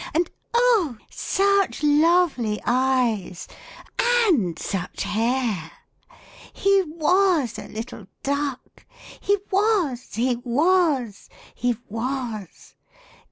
And oh ! such lovely eyes ! and such hair ! He loas a little duck ! he was, he was, he was.